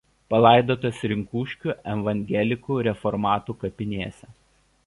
Palaidotas Rinkuškių evangelikų reformatų kapinėse.